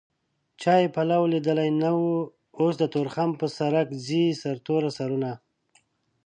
چا يې پلو ليدلی نه و اوس د تورخم په سرک ځي سرتور سرونه